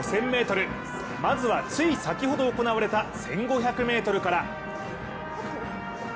まずは、つい先ほど行われた１５００ｍから。